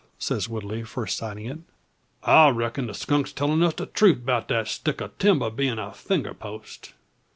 says Woodley first sighting it. "I reck'n the skunk's tellin' us the truth, 'bout that stick o' timber being a finger post.